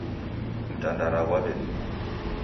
Mtandara ghwawelimwa